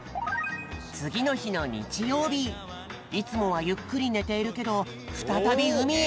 つぎのひのにちようびいつもはゆっくりねているけどふたたびうみへ。